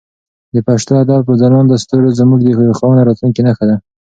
د پښتو ادب ځلانده ستوري زموږ د روښانه راتلونکي نښه ده.